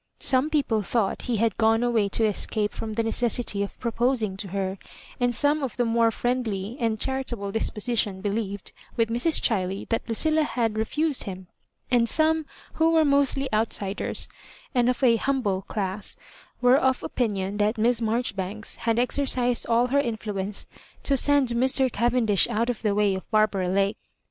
Some people thought he bad gone away to escape fh>m the jiecessity of proposing to her ; and some of more friendly and charitable disposition believed with Mrs. Chiley that Lucilla had refused him; and some, who were mostly outsiders, and of a humble class, were of opinion that Miss Marjoribanks had ex ercised all her influence to send Mr. Cavendish out of the way of Barbara Lake.